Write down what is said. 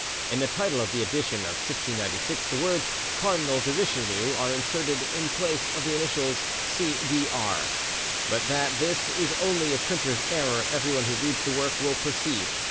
In the title of the edition of 1696 the words "Cardinal de Richelieu" are inserted in place of the initials "C. D. R.," but that this is only a printer's error everyone who reads the work will perceive.